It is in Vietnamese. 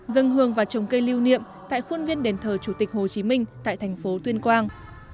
dân hương và trồng cây lưu niệm tại khuôn viên đền thờ chủ tịch hồ chí minh tại thành phố tuyên quang